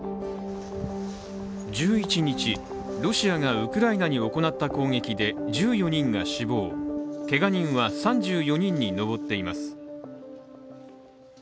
１１日、ロシアがウクライナに行った攻撃で１４人が死亡、けが人は３４上に上っています。